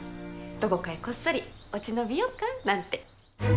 どこかへこっそり落ち延びようかなんて。